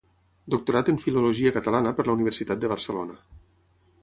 Doctorat en Filologia Catalana per la Universitat de Barcelona.